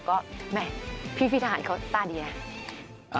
ก็แหม่พี่ทหารเขาตาดีอ่ะ